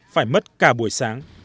phải mất cả buổi sáng